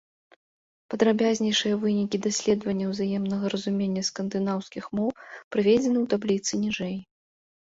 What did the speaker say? Падрабязнейшыя вынікі даследавання ўзаемнага разумення скандынаўскіх моў прыведзеныя ў табліцы ніжэй.